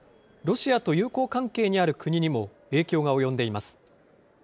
ロシアと友好関係にある国にも影響が及んでいます。